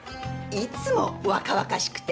いつも若々しくて。